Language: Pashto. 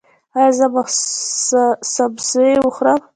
ایا زه سموسې وخورم؟